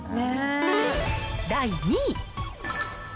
第２位。